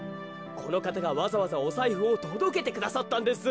このかたがわざわざおさいふをとどけてくださったんです。